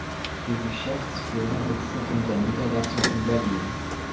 Die Geschäftsführer sitzen in der Niederlassung in Berlin.